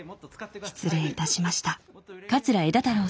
失礼いたしました。